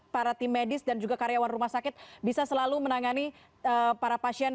para tim medis dan juga karyawan rumah sakit bisa selalu menangani para pasien